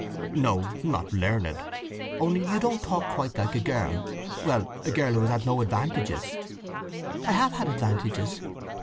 "No—not learned. Only you don't talk quite like a girl—well, a girl who has had no advantages." "I have had advantages.